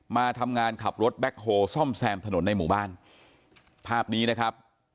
มาทำงานขับรถแบ็คโฮซ่อมแซมถนนในหมู่บ้านภาพนี้นะครับ